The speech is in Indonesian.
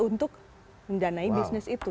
untuk mendanai bisnis itu